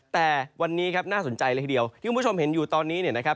แต่วันนี้ครับน่าสนใจเลยทีเดียวที่คุณผู้ชมเห็นอยู่ตอนนี้เนี่ยนะครับ